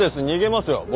逃げますよ！